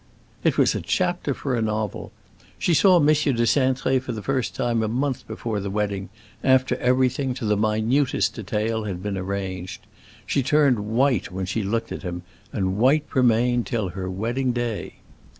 "It was a chapter for a novel. She saw M. de Cintré for the first time a month before the wedding, after everything, to the minutest detail, had been arranged. She turned white when she looked at him, and white she remained till her wedding day.